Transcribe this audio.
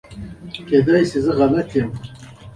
دا د عصر د یوې سترې نیابتي جګړې په شکل کې ترسره شوه.